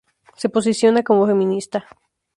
Se posiciona como feminista.